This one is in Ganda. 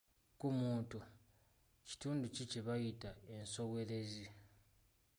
Ku muntu kitundu ki kye bayita ensowerezi?